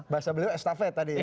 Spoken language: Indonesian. bahasa beliau estafet tadi ya